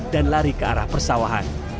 dan lari ke arah persawahan